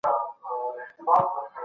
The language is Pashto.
د مور بچي له ښوونځي پاتې شوي دي.